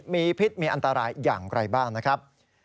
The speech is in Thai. มีพิษมีอันตรายอย่างไรบ้างนะครับ